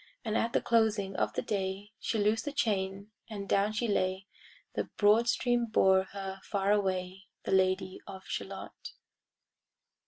And at the closing of the day She loosed the chain, and down she lay; The broad stream bore her far away, The Lady of Shalott.